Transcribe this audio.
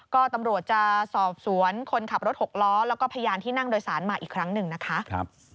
ก็ตำรวจจะสอบสวนคนขับรถหกล้อแล้วก็พยานที่นั่งโดยสารมาอีกครั้งหนึ่งนะคะ